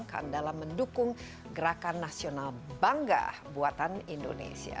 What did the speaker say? akan dalam mendukung gerakan nasional bangga buatan indonesia